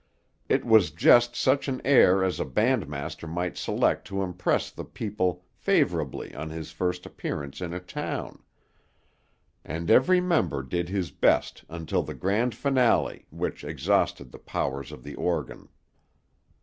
It was just such an air as a band master might select to impress the people favorably on his first appearance in a town; and every member did his best until the grand finale, which exhausted the powers of the organ.